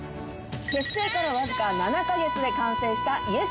結成からわずか７か月で完成したＹｅｓ！